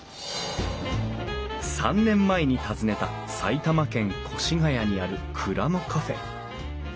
３年前に訪ねた埼玉県越谷にある蔵のカフェ。